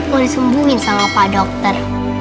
mau disembungin sama pak dokter